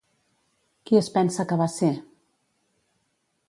Qui es pensa que va ser?